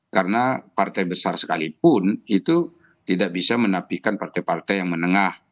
karena partai besar sekalipun itu tidak bisa menapihkan partai partai yang menengah